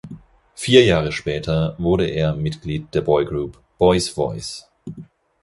Vier Jahre später wurde er Mitglied der Boygroup "Boys’ Voice".